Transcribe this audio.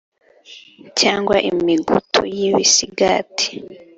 Cyangwa imigutu y'ibisigati